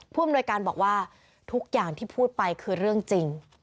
ผู้อำนวยการบอกว่าทุกอย่างที่พูดไปคือเรื่องจริง